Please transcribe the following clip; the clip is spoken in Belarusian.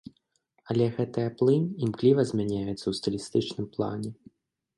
Але гэтая плынь імкліва змяняецца ў стылістычным плане.